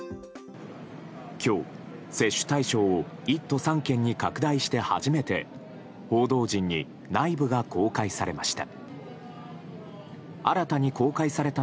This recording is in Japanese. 今日、接種対象を１都３県に拡大して初めて報道陣に内部が公開されました。